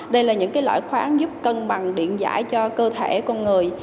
đây là những loại khoáng giúp cân bằng điện giải cho cơ thể con người